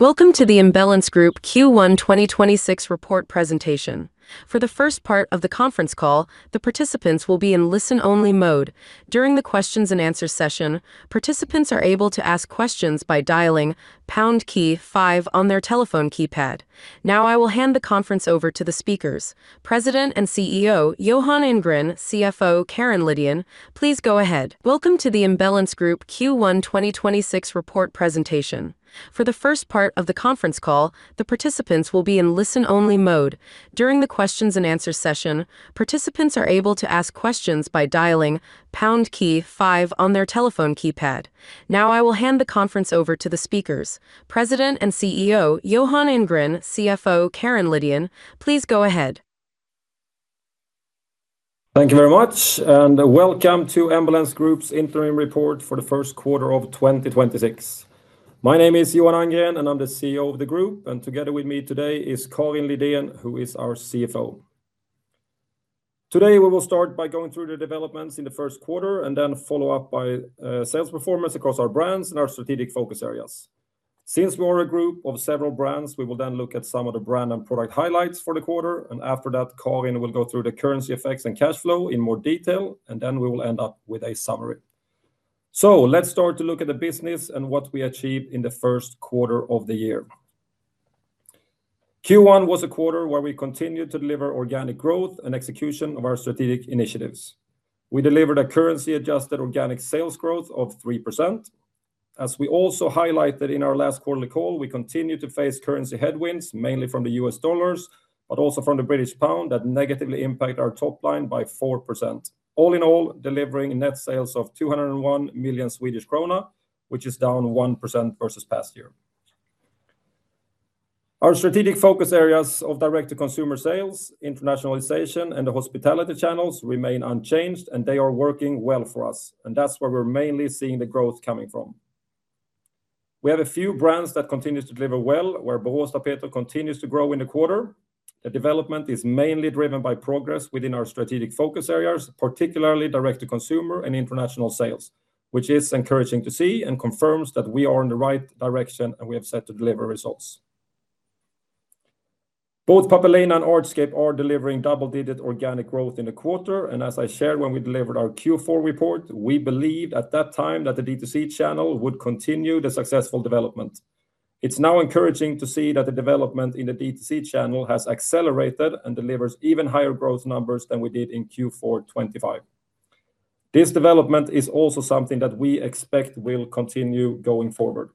Welcome to the Embellence Group Q1 2026 report presentation. For the first part of the conference call, the participants will be in listen-only mode. During the questions and answer session, participants are able to ask questions by dialing #5 on their telephone keypad. Now I will hand the conference over to the speakers. President and CEO, Johan Andgren, CFO, Karin Lidén, please go ahead. Thank you very much, welcome to Embellence Group's interim report for the first quarter of 2026. My name is Johan Andgren, I'm the CEO of the group, together with me today is Karin Lidén, who is our CFO. Today we will start by going through the developments in the first quarter and follow up by sales performance across our brands and our strategic focus areas. Since we are a group of several brands, we will look at some of the brand and product highlights for the quarter, after that Karin will go through the currency effects and cash flow in more detail, we will end up with a summary. Let's start to look at the business and what we achieved in the first quarter of the year. Q1 was a quarter where we continued to deliver organic growth and execution of our strategic initiatives. We delivered a currency-adjusted organic sales growth of 3%. As we also highlighted in our last quarterly call, we continue to face currency headwinds, mainly from the U.S. dollars, but also from the British pound that negatively impact our top line by 4%. All in all, delivering net sales of 201 million Swedish krona, which is down 1% versus past year. Our strategic focus areas of direct-to-consumer sales, internationalization, and the hospitality channels remain unchanged, and they are working well for us, and that's where we're mainly seeing the growth coming from. We have a few brands that continues to deliver well, where Boråstapeter continues to grow in the quarter. The development is mainly driven by progress within our strategic focus areas, particularly direct-to-consumer and international sales, which is encouraging to see and confirms that we are in the right direction and we have set to deliver results. Both Pappelina and Artscape are delivering double-digit organic growth in the quarter, and as I shared when we delivered our Q4 report, we believed at that time that the D2C channel would continue the successful development. It's now encouraging to see that the development in the D2C channel has accelerated and delivers even higher growth numbers than we did in Q4 2025. This development is also something that we expect will continue going forward.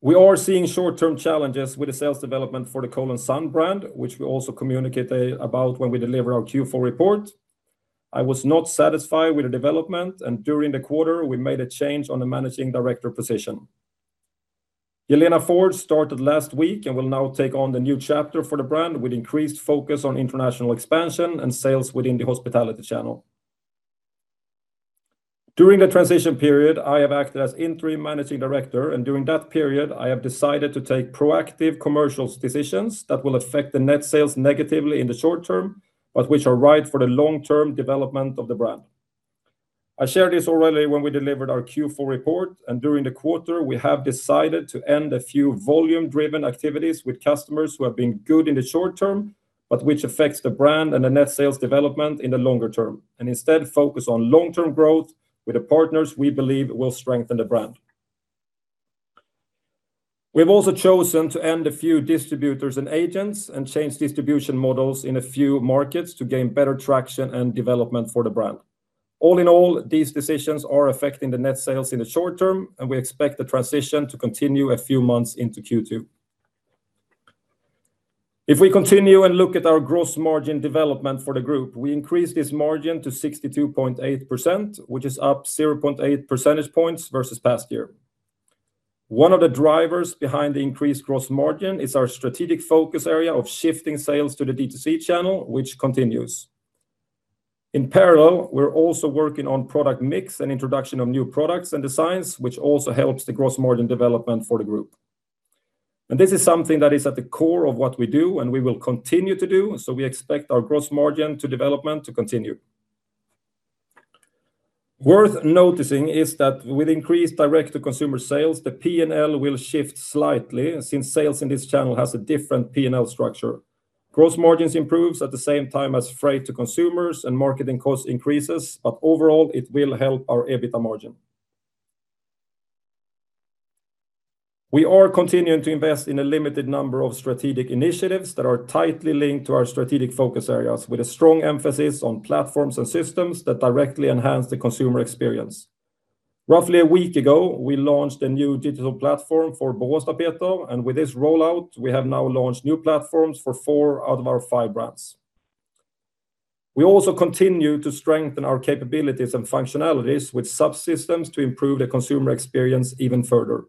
We are seeing short-term challenges with the sales development for the Cole & Son brand, which we also communicated about when we delivered our Q4 report. I was not satisfied with the development, and during the quarter, we made a change on the managing director position. Yelena Ford started last week and will now take on the new chapter for the brand with increased focus on international expansion and sales within the hospitality channel. During the transition period, I have acted as interim managing director, and during that period, I have decided to take proactive commercial decisions that will affect the net sales negatively in the short term, but which are right for the long-term development of the brand. I shared this already when we delivered our Q4 report, and during the quarter, we have decided to end a few volume-driven activities with customers who have been good in the short term, but which affects the brand and the net sales development in the longer term, and instead focus on long-term growth with the partners we believe will strengthen the brand. We have also chosen to end a few distributors and agents and change distribution models in a few markets to gain better traction and development for the brand. All in all, these decisions are affecting the net sales in the short term, and we expect the transition to continue a few months into Q2. If we continue and look at our gross margin development for the group, we increased this margin to 62.8%, which is up 0.8 percentage points versus past year. One of the drivers behind the increased gross margin is our strategic focus area of shifting sales to the D2C channel, which continues. In parallel, we're also working on product mix and introduction of new products and designs, which also helps the gross margin development for the group. This is something that is at the core of what we do, and we will continue to do, so we expect our gross margin to development to continue. Worth noticing is that with increased direct-to-consumer sales, the P&L will shift slightly since sales in this channel has a different P&L structure. Gross margins improves at the same time as freight to consumers and marketing cost increases, but overall, it will help our EBITDA margin. We are continuing to invest in a limited number of strategic initiatives that are tightly linked to our strategic focus areas with a strong emphasis on platforms and systems that directly enhance the consumer experience. Roughly a week ago, we launched a new digital platform for Boråstapeter, with this rollout, we have now launched new platforms for four out of our five brands. We also continue to strengthen our capabilities and functionalities with subsystems to improve the consumer experience even further.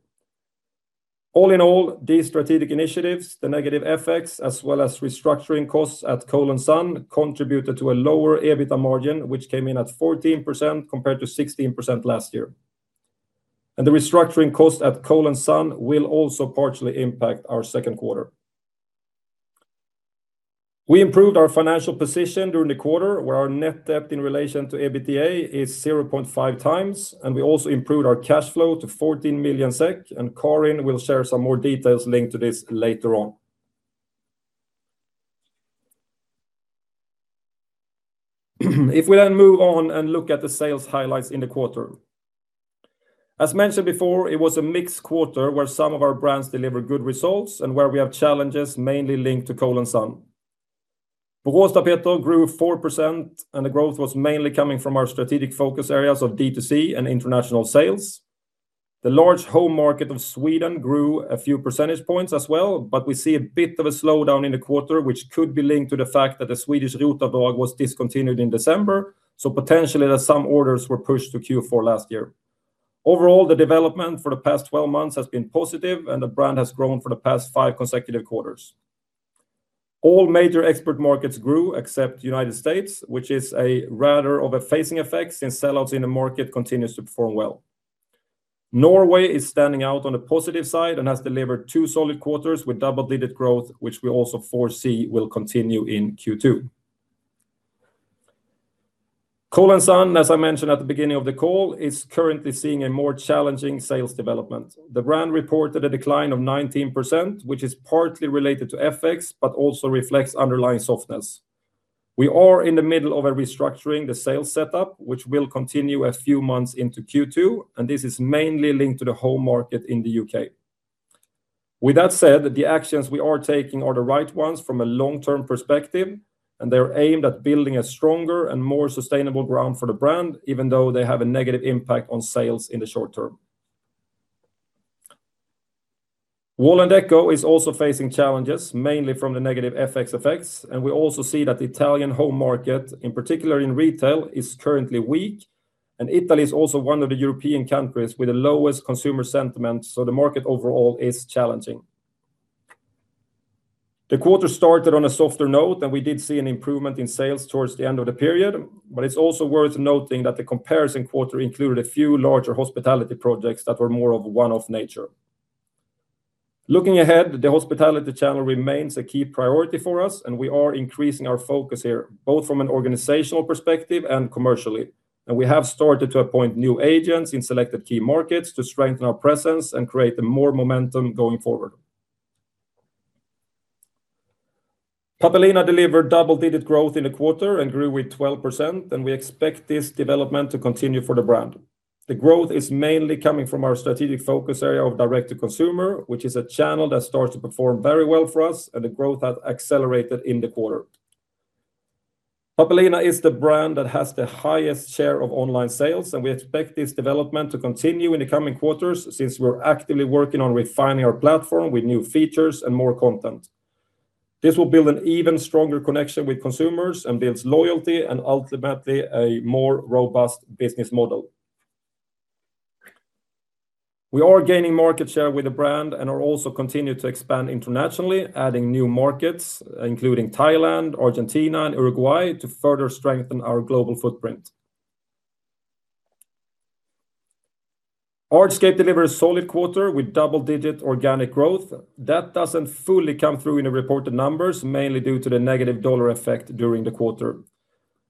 All in all, these strategic initiatives, the negative effects, as well as restructuring costs at Cole & Son, contributed to a lower EBITDA margin, which came in at 14% compared to 16% last year. The restructuring cost at Cole & Son will also partially impact our second quarter. We improved our financial position during the quarter, where our net debt in relation to EBITDA is 0.5x, and we also improved our cash flow to 14 million SEK, and Karin will share some more details linked to this later on. If we then move on and look at the sales highlights in the quarter. As mentioned before, it was a mixed quarter where some of our brands delivered good results and where we have challenges mainly linked to Cole & Son. Boråstapeter grew 4%, and the growth was mainly coming from our strategic focus areas of D2C and international sales. The large home market of Sweden grew a few percentage points as well, but we see a bit of a slowdown in the quarter, which could be linked to the fact that the Swedish Rut-avdrag was discontinued in December, so potentially that some orders were pushed to Q4 last year. Overall, the development for the past 12 months has been positive, and the brand has grown for the past five consecutive quarters. All major export markets grew except U.S., which is a rather of a phasing effect since sell-outs in the market continues to perform well. Norway is standing out on the positive side and has delivered two solid quarters with double-digit growth, which we also foresee will continue in Q2. Cole & Son, as I mentioned at the beginning of the call, is currently seeing a more challenging sales development. The brand reported a decline of 19%, which is partly related to FX but also reflects underlying softness. We are in the middle of a restructuring the sales setup, which will continue a few months into Q2. This is mainly linked to the home market in the U.K. With that said, the actions we are taking are the right ones from a long-term perspective. They are aimed at building a stronger and more sustainable ground for the brand, even though they have a negative impact on sales in the short term. Wall&decò is also facing challenges, mainly from the negative FX effects. We also see that the Italian home market, in particular in retail, is currently weak. Italy is also one of the European countries with the lowest consumer sentiment. The market overall is challenging. The quarter started on a softer note, and we did see an improvement in sales towards the end of the period, but it's also worth noting that the comparison quarter included a few larger hospitality projects that were more of one-off nature. Looking ahead, the hospitality channel remains a key priority for us, and we are increasing our focus here, both from an organizational perspective and commercially. We have started to appoint new agents in selected key markets to strengthen our presence and create a more momentum going forward. Pappelina delivered double-digit growth in the quarter and grew with 12%, and we expect this development to continue for the brand. The growth is mainly coming from our strategic focus area of direct-to-consumer, which is a channel that starts to perform very well for us and the growth has accelerated in the quarter. Pappelina is the brand that has the highest share of online sales. We expect this development to continue in the coming quarters since we're actively working on refining our platform with new features and more content. This will build an even stronger connection with consumers and builds loyalty and ultimately a more robust business model. We are gaining market share with the brand and are also continued to expand internationally, adding new markets, including Thailand, Argentina, and Uruguay, to further strengthen our global footprint. Artscape delivered a solid quarter with double-digit organic growth. That doesn't fully come through in the reported numbers, mainly due to the negative dollar effect during the quarter.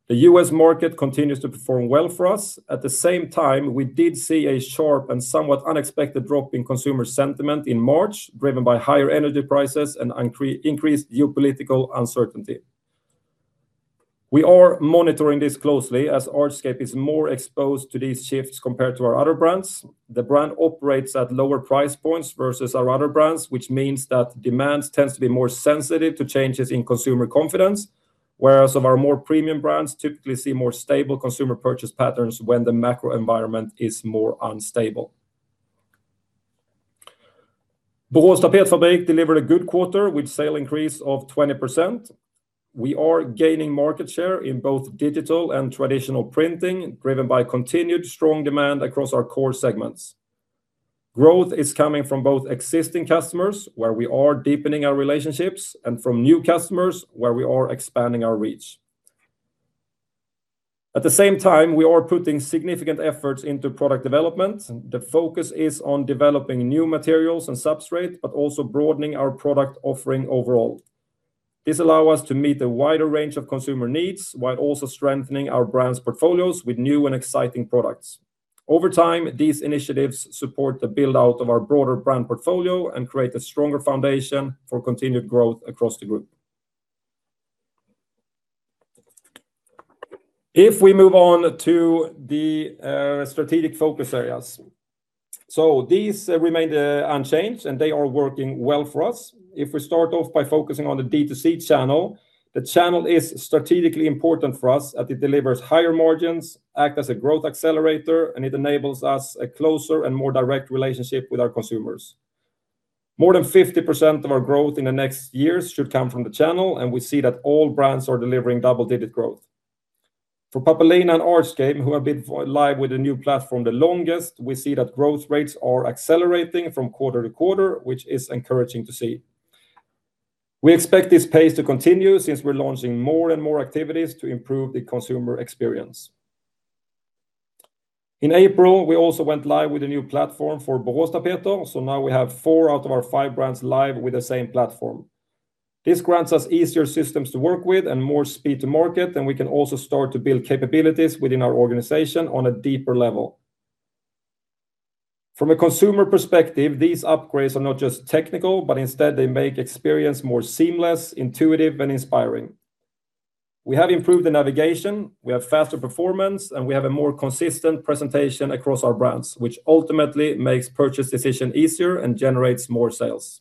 The U.S. market continues to perform well for us. At the same time, we did see a sharp and somewhat unexpected drop in consumer sentiment in March, driven by higher energy prices and increased geopolitical uncertainty. We are monitoring this closely as Artscape is more exposed to these shifts compared to our other brands. The brand operates at lower price points versus our other brands, which means that demand tends to be more sensitive to changes in consumer confidence, whereas some of our more premium brands typically see more stable consumer purchase patterns when the macro environment is more unstable. Borås Tapetfabrik delivered a good quarter with sale increase of 20%. We are gaining market share in both digital and traditional printing, driven by continued strong demand across our core segments. Growth is coming from both existing customers, where we are deepening our relationships, and from new customers, where we are expanding our reach. At the same time, we are putting significant efforts into product development. The focus is on developing new materials and substrate, but also broadening our product offering overall. This allow us to meet a wider range of consumer needs while also strengthening our brands portfolios with new and exciting products. Over time, these initiatives support the build-out of our broader brand portfolio and create a stronger foundation for continued growth across the group. If we move on to the strategic focus areas. These remain unchanged, and they are working well for us. If we start off by focusing on the D2C channel, the channel is strategically important for us as it delivers higher margins, act as a growth accelerator, and it enables us a closer and more direct relationship with our consumers. More than 50% of our growth in the next years should come from the channel, and we see that all brands are delivering double-digit growth. For Pappelina and Artscape, who have been live with the new platform the longest, we see that growth rates are accelerating from quarter-to-quarter, which is encouraging to see. We expect this pace to continue since we're launching more and more activities to improve the consumer experience. In April, we also went live with a new platform for Boråstapeter, now we have four out of our five brands live with the same platform. This grants us easier systems to work with and more speed to market, we can also start to build capabilities within our organization on a deeper level. From a consumer perspective, these upgrades are not just technical, but instead they make experience more seamless, intuitive, and inspiring. We have improved the navigation, we have faster performance, and we have a more consistent presentation across our brands, which ultimately makes purchase decision easier and generates more sales.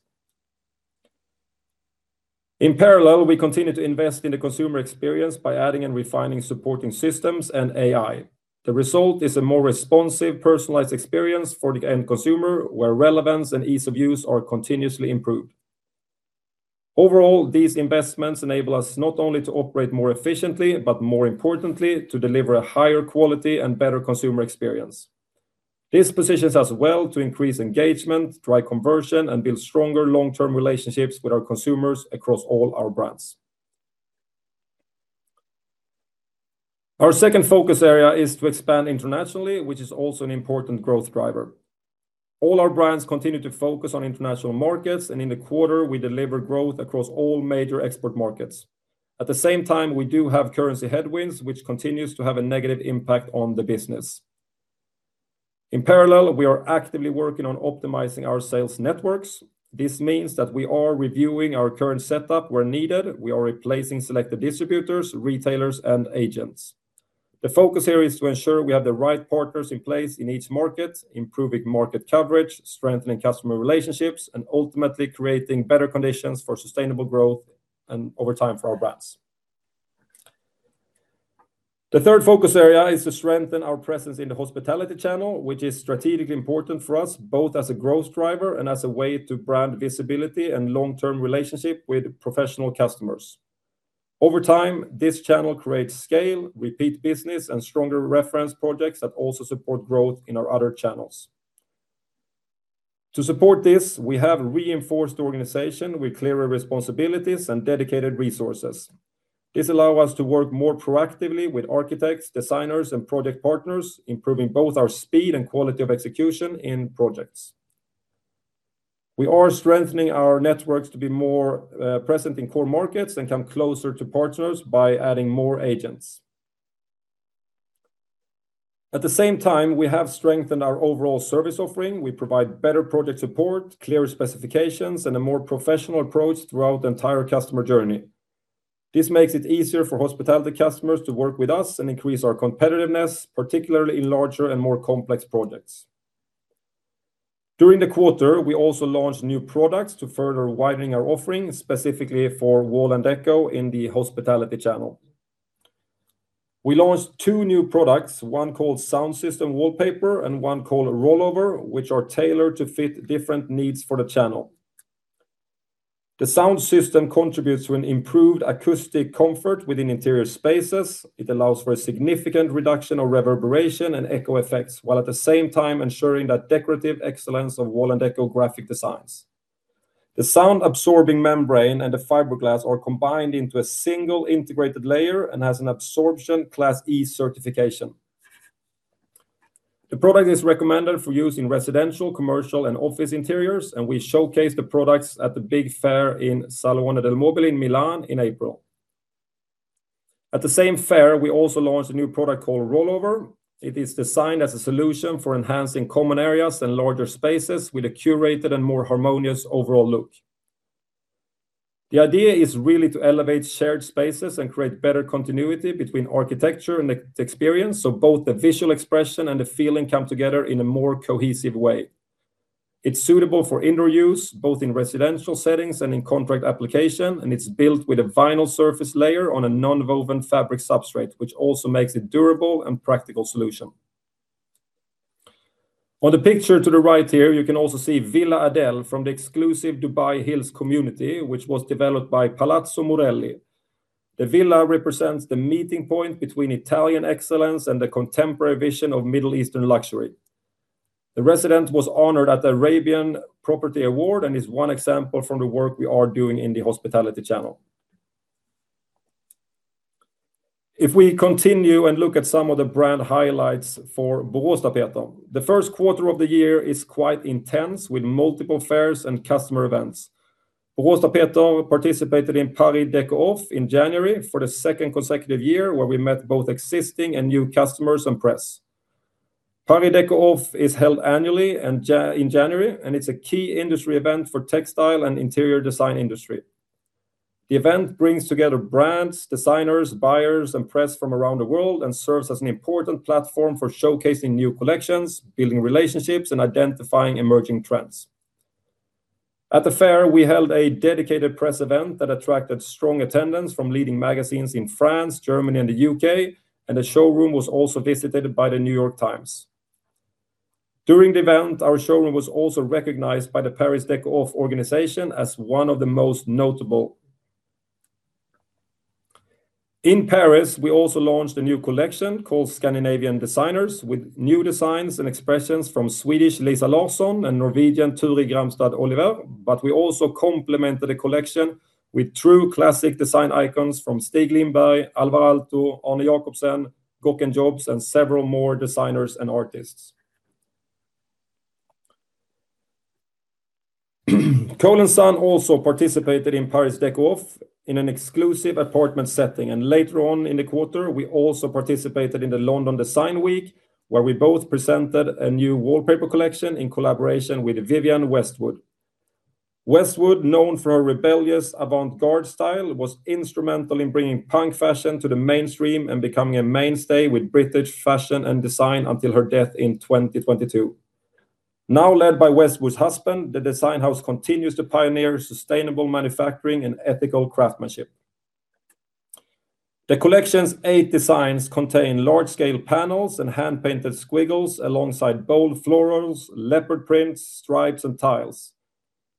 In parallel, we continue to invest in the consumer experience by adding and refining supporting systems and AI. The result is a more responsive, personalized experience for the end consumer, where relevance and ease of use are continuously improved. Overall, these investments enable us not only to operate more efficiently, but more importantly, to deliver a higher quality and better consumer experience. This positions us well to increase engagement, drive conversion, and build stronger long-term relationships with our consumers across all our brands. Our second focus area is to expand internationally, which is also an important growth driver. All our brands continue to focus on international markets, and in the quarter, we deliver growth across all major export markets. At the same time, we do have currency headwinds, which continues to have a negative impact on the business. In parallel, we are actively working on optimizing our sales networks. This means that we are reviewing our current setup where needed. We are replacing selected distributors, retailers, and agents. The focus here is to ensure we have the right partners in place in each market, improving market coverage, strengthening customer relationships, and ultimately creating better conditions for sustainable growth and over time for our brands. The third focus area is to strengthen our presence in the hospitality channel, which is strategically important for us, both as a growth driver and as a way to brand visibility and long-term relationship with professional customers. Over time, this channel creates scale, repeat business, and stronger reference projects that also support growth in our other channels. To support this, we have reinforced the organization with clearer responsibilities and dedicated resources. This allows us to work more proactively with architects, designers, and project partners, improving both our speed and quality of execution in projects. We are strengthening our networks to be more present in core markets and come closer to partners by adding more agents. We have strengthened our overall service offering. We provide better project support, clearer specifications, and a more professional approach throughout the entire customer journey. This makes it easier for hospitality customers to work with us and increase our competitiveness, particularly in larger and more complex projects. During the quarter, we also launched new products to further widen our offering, specifically for Wall&decò in the hospitality channel. We launched two new products, one called Sound System Wallpaper and one called Rollover, which are tailored to fit different needs for the channel. The sound system contributes to an improved acoustic comfort within interior spaces. It allows for a significant reduction of reverberation and echo effects, while at the same time ensuring that decorative excellence of Wall&decò graphic designs. The sound-absorbing membrane and the fiberglass are combined into a single integrated layer and has an absorption Class E certification. The product is recommended for use in residential, commercial, and office interiors. We showcase the products at the big fair in Salone del Mobile in Milan in April. At the same fair, we also launched a new product called Rollover. It is designed as a solution for enhancing common areas and larger spaces with a curated and more harmonious overall look. The idea is really to elevate shared spaces and create better continuity between architecture and experience, so both the visual expression and the feeling come together in a more cohesive way. It's suitable for indoor use, both in residential settings and in contract application, and it's built with a vinyl surface layer on a nonwoven fabric substrate, which also makes it durable and practical solution. On the picture to the right here, you can also see Villa Adele from the exclusive Dubai Hills community, which was developed by Palazzo Morelli. The villa represents the meeting point between Italian excellence and the contemporary vision of Middle Eastern luxury. The resident was honored at the Arabian Property Awards and is one example from the work we are doing in the hospitality channel. If we continue and look at some of the brand highlights for Boråstapeter, the first quarter of the year is quite intense with multiple fairs and customer events. Boråstapeter participated in Paris Deco Off in January for the second consecutive year, where we met both existing and new customers and press. Paris Deco Off is held annually in January, it's a key industry event for textile and interior design industry. The event brings together brands, designers, buyers, and press from around the world and serves as an important platform for showcasing new collections, building relationships, and identifying emerging trends. At the fair, we held a dedicated press event that attracted strong attendance from leading magazines in France, Germany, and the U.K., the showroom was also visited by The New York Times. During the event, our showroom was also recognized by the Paris Deco Off organization as one of the most notable. In Paris, we also launched a new collection called Scandinavian Designers with new designs and expressions from Swedish Lisa Larson and Norwegian Turi Gramstad Oliver, but we also complemented the collection with true classic design icons from Stig Lindberg, Alvar Aalto, Arne Jacobsen, Gocken Jobs, and several more designers and artists. Cole & Son also participated in Paris Deco Off in an exclusive apartment setting. Later on in the quarter, we also participated in the London Design Week, where we both presented a new wallpaper collection in collaboration with Vivienne Westwood. Westwood, known for her rebellious avant-garde style, was instrumental in bringing punk fashion to the mainstream and becoming a mainstay with British fashion and design until her death in 2022. Now led by Westwood's husband, the design house continues to pioneer sustainable manufacturing and ethical craftsmanship. The collection's eight designs contain large scale panels and hand-painted squiggles alongside bold florals, leopard prints, stripes, and tiles.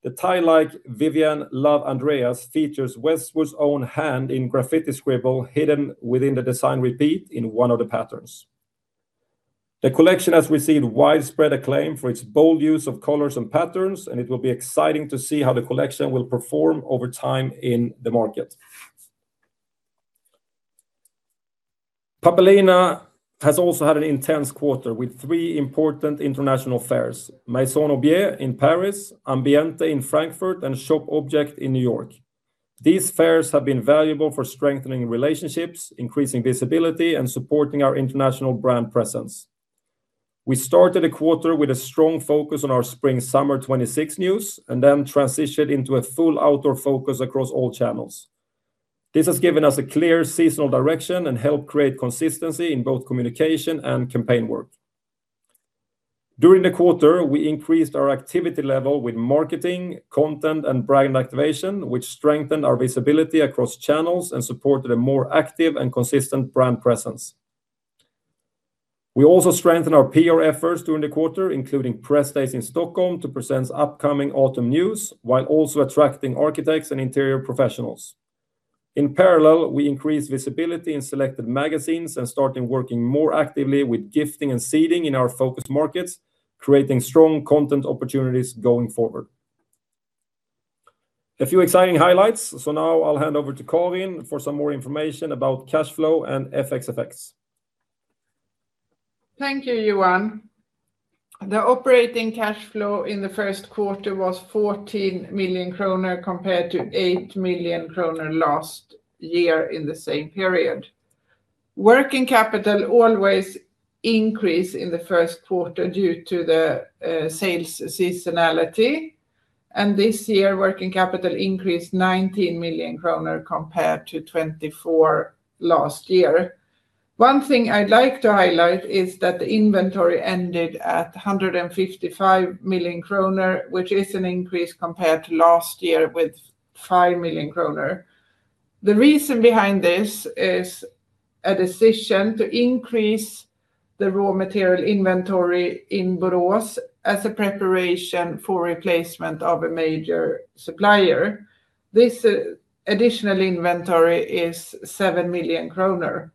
The tile-like Vivienne Loves Andreas features Westwood's own hand in graffiti scribble hidden within the design repeat in one of the patterns. The collection has received widespread acclaim for its bold use of colors and patterns, and it will be exciting to see how the collection will perform over time in the market. Pappelina has also had an intense quarter with three important international fairs: Maison&Objet in Paris, Ambiente in Frankfurt, and Shoppe Object in New York. These fairs have been valuable for strengthening relationships, increasing visibility, and supporting our international brand presence. We started the quarter with a strong focus on our spring/summer 2026 news and then transitioned into a full outdoor focus across all channels. This has given us a clear seasonal direction and helped create consistency in both communication and campaign work. During the quarter, we increased our activity level with marketing, content, and brand activation, which strengthened our visibility across channels and supported a more active and consistent brand presence. We also strengthened our PR efforts during the quarter, including press days in Stockholm to present upcoming autumn news, while also attracting architects and interior professionals. In parallel, we increased visibility in selected magazines and started working more actively with gifting and seeding in our focused markets, creating strong content opportunities going forward. A few exciting highlights. Now I'll hand over to Karin for some more information about cash flow and FX effects. Thank you, Johan. The operating cash flow in the first quarter was 14 million kronor compared to 8 million kronor last year in the same period. Working capital always increase in the first quarter due to the sales seasonality. This year, working capital increased 19 million kronor compared to 24 million last year. One thing I'd like to highlight is that the inventory ended at 155 million kronor, which is an increase compared to last year with 5 million kronor. The reason behind this is a decision to increase the raw material inventory in Borås as a preparation for replacement of a major supplier. This additional inventory is 7 million kronor.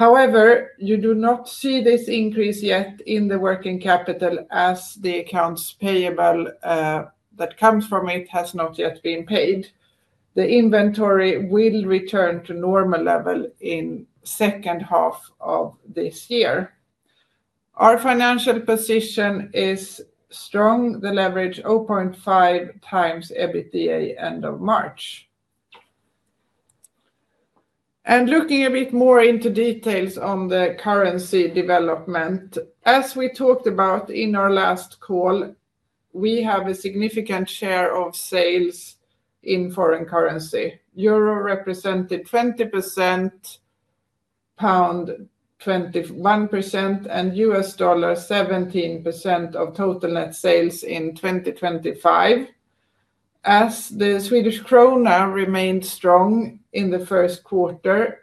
You do not see this increase yet in the working capital as the accounts payable that comes from it has not yet been paid. The inventory will return to normal level in second half of this year. Our financial position is strong. The leverage 0.5x EBITDA end of March. Looking a bit more into details on the currency development, as we talked about in our last call, we have a significant share of sales in foreign currency. Euro represented 20%, pound 21%, and US dollar 17% of total net sales in 2025. As the Swedish krona remained strong in the first quarter,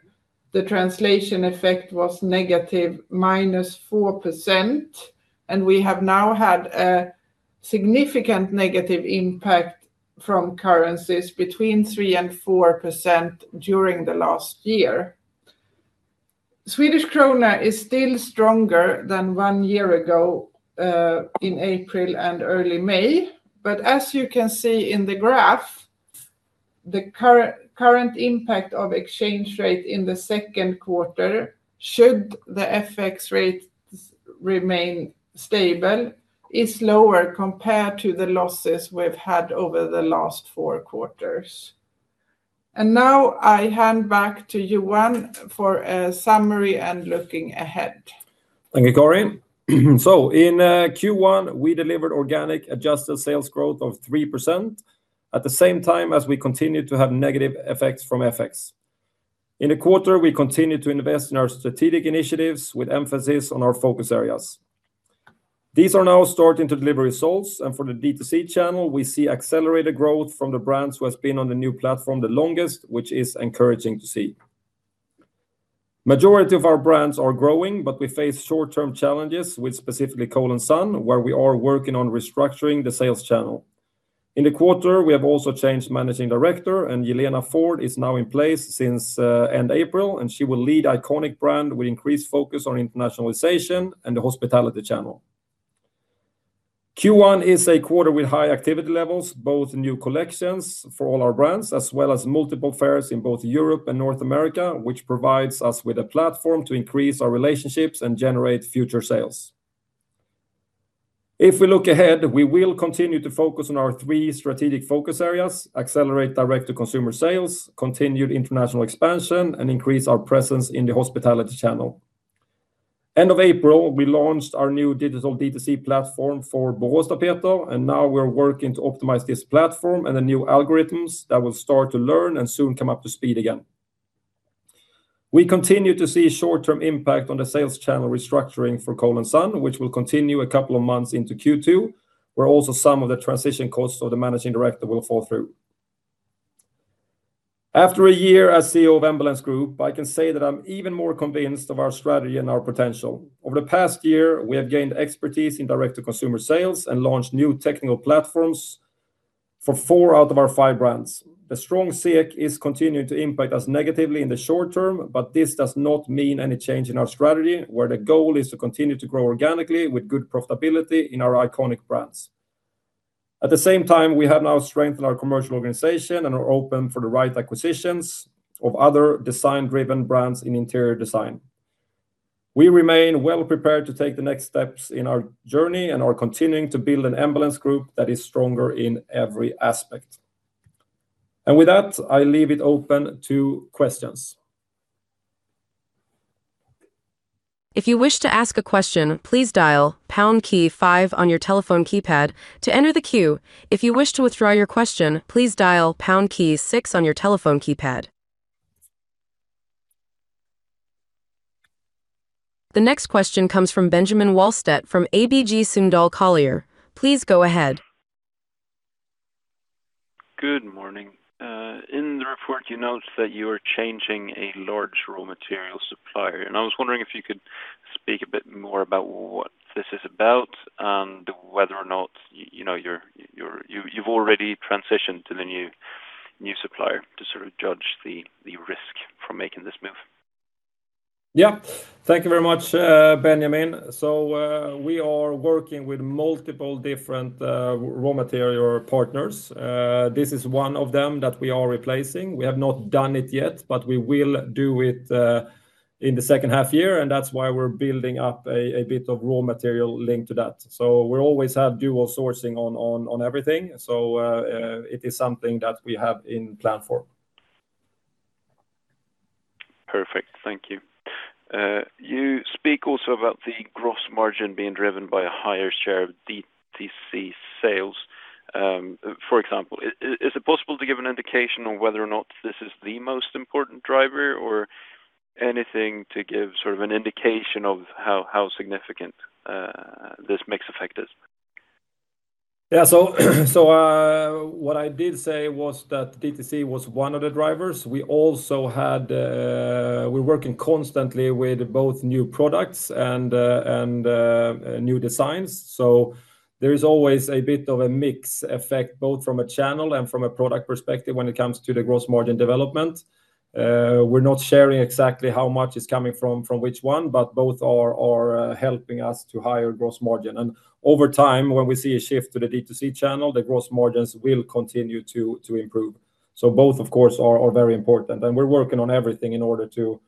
the translation effect was negative minus 4%, and we have now had a significant negative impact from currencies between 3%-4% during the last year. Swedish krona is still stronger than one year ago in April and early May. As you can see in the graph, the current impact of exchange rate in the second quarter, should the FX rates remain stable, is lower compared to the losses we've had over the last four quarters. Now I hand back to Johan for a summary and looking ahead. Thank you, Karin. In Q1, we delivered organic adjusted sales growth of 3% at the same time as we continued to have negative effects from FX. In the quarter, we continued to invest in our strategic initiatives with emphasis on our focus areas. These are now starting to deliver results. For the D2C channel, we see accelerated growth from the brands who has been on the new platform the longest, which is encouraging to see. Majority of our brands are growing. We face short-term challenges with specifically Cole & Son, where we are working on restructuring the sales channel. In the quarter, we have also changed managing director. Yelena Ford is now in place since end April. She will lead Iconic Brand with increased focus on internationalization and the hospitality channel. Q1 is a quarter with high activity levels, both new collections for all our brands, as well as multiple fairs in both Europe and North America, which provides us with a platform to increase our relationships and generate future sales. If we look ahead, we will continue to focus on our three strategic focus areas, accelerate direct-to-consumer sales, continued international expansion, and increase our presence in the hospitality channel. End of April, we launched our new digital D2C platform for Boråstapeter, and now we're working to optimize this platform and the new algorithms that will start to learn and soon come up to speed again. We continue to see short-term impact on the sales channel restructuring for Cole & Son, which will continue a couple of months into Q2, where also some of the transition costs of the managing director will fall through. After a year as CEO of Embellence Group, I can say that I'm even more convinced of our strategy and our potential. Over the past year, we have gained expertise in direct-to-consumer sales and launched new technical platforms for four out of our five brands. The strong SEK is continuing to impact us negatively in the short term. This does not mean any change in our strategy, where the goal is to continue to grow organically with good profitability in our iconic brands. At the same time, we have now strengthened our commercial organization and are open for the right acquisitions of other design-driven brands in interior design. We remain well prepared to take the next steps in our journey and are continuing to build an Embellence Group that is stronger in every aspect. With that, I leave it open to questions. The next question comes from Benjamin Wahlstedt from ABG Sundal Collier. Please go ahead. Good morning. In the report, you note that you are changing a large raw material supplier, I was wondering if you could speak a bit more about what this is about and whether or not you know, you've already transitioned to the new supplier to sort of judge the risk from making this move. Thank you very much, Benjamin. We are working with multiple different raw material partners. This is one of them that we are replacing. We have not done it yet, but we will do it in the second half year, and that's why we're building up a bit of raw material linked to that. We always have dual sourcing on everything. It is something that we have in plan for. Perfect. Thank you. You speak also about the gross margin being driven by a higher share of DTC sales. For example, is it possible to give an indication on whether or not this is the most important driver or anything to give sort of an indication of how significant this mix effect is? What I did say was that DTC was one of the drivers. We also had, we're working constantly with both new products and new designs. There is always a bit of a mix effect, both from a channel and from a product perspective when it comes to the gross margin development. We're not sharing exactly how much is coming from which one, but both are helping us to higher gross margin. Over time, when we see a shift to the DTC channel, the gross margins will continue to improve. Both, of course, are very important, and we're working on everything in order to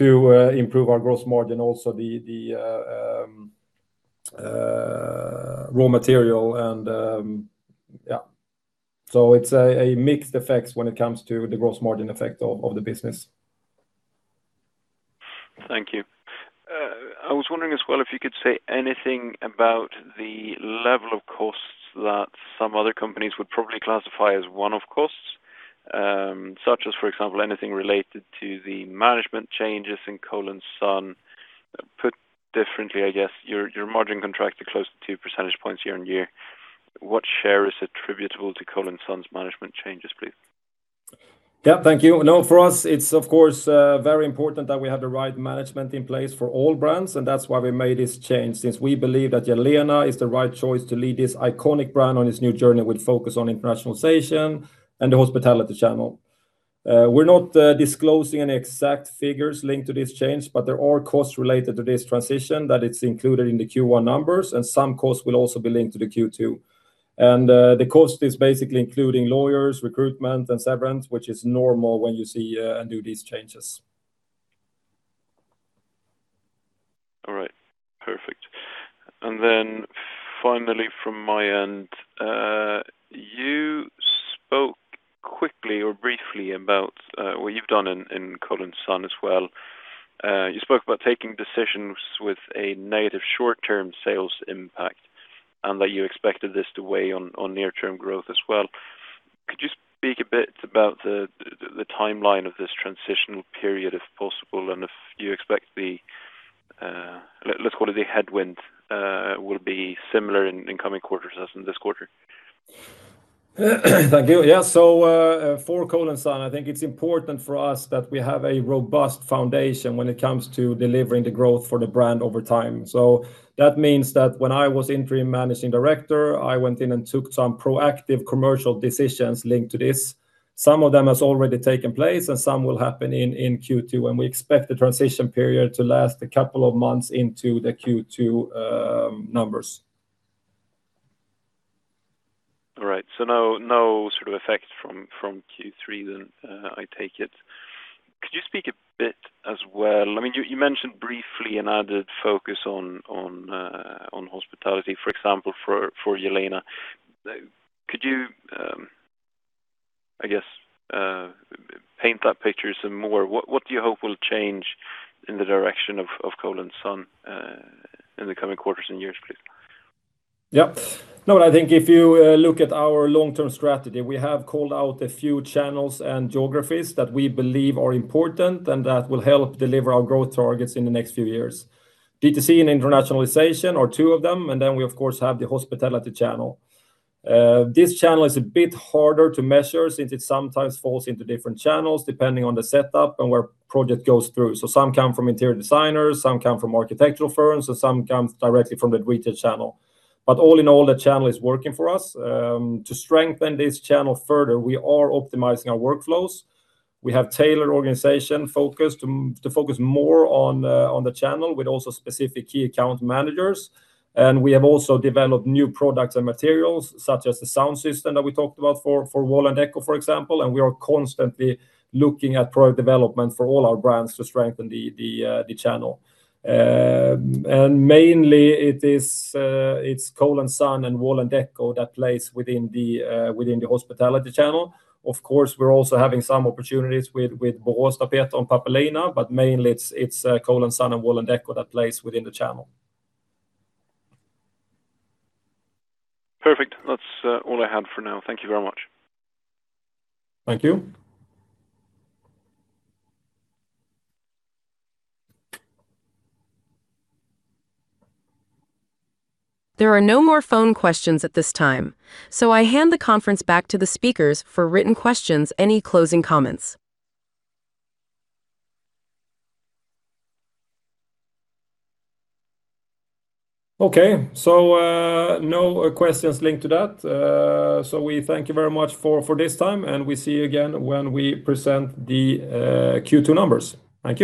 improve our gross margin. Also, the raw material. It's a mixed effect when it comes to the gross margin effect of the business. Thank you. I was wondering as well if you could say anything about the level of costs that some other companies would probably classify as one-off costs, such as, for example, anything related to the management changes in Cole & Son. Put differently, I guess, your margin contracted close to 2 percentage points year-on-year. What share is attributable to Cole & Son's management changes, please? Yeah. Thank you. No, for us, it's of course, very important that we have the right management in place for all brands. That's why we made this change, since we believe that Yelena is the right choice to lead this iconic brand on this new journey with focus on internationalization and the hospitality channel. We're not disclosing any exact figures linked to this change. There are costs related to this transition that it's included in the Q1 numbers. Some costs will also be linked to the Q2. The cost is basically including lawyers, recruitment, and severance, which is normal when you see and do these changes. All right. Perfect. Finally from my end, you spoke quickly or briefly about what you've done in Cole & Son as well. You spoke about taking decisions with a negative short-term sales impact and that you expected this to weigh on near-term growth as well. Could you speak a bit about the timeline of this transitional period, if possible, and if you expect the, let's call it the headwind, will be similar in coming quarters as in this quarter? Thank you. For Cole & Son, I think it's important for us that we have a robust foundation when it comes to delivering the growth for the brand over time. That means that when I was interim managing director, I went in and took some proactive commercial decisions linked to this. Some of them has already taken place, and some will happen in Q2, and we expect the transition period to last a couple of months into the Q2 numbers. All right, no sort of effect from Q3 then, I take it. Could you speak a bit as well? I mean, you mentioned briefly an added focus on, hospitality, for example, for Jelena. Could you, I guess, paint that picture some more? What, what do you hope will change in the direction of Cole & Son, in the coming quarters and years, please? I think if you look at our long-term strategy, we have called out a few channels and geographies that we believe are important and that will help deliver our growth targets in the next few years. DTC and internationalization are two of them, we of course have the hospitality channel. This channel is a bit harder to measure since it sometimes falls into different channels depending on the setup and where project goes through. Some come from interior designers, some come from architectural firms, and some comes directly from the retail channel. All in all, the channel is working for us. To strengthen this channel further, we are optimizing our workflows. We have tailored organization focus to focus more on the channel with also specific key account managers. We have also developed new products and materials such as the sound system that we talked about for Wall&decò, for example, and we are constantly looking at product development for all our brands to strengthen the channel. Mainly it is Cole & Son and Wall&decò that plays within the hospitality channel. Of course, we're also having some opportunities with Boråstapeter and Pappelina, but mainly it's Cole & Son and Wall&decò that plays within the channel. Perfect. That's all I had for now. Thank you very much. Thank you. There are no more phone questions at this time, so I hand the conference back to the speakers for written questions, any closing comments. No questions linked to that. We thank you very much for this time, and we see you again when we present the Q2 numbers. Thank you